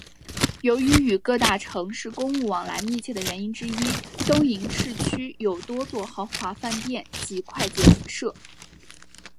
由于与各大城市公务往来密切的原因之一东营市区有多座豪华饭店及快捷旅舍。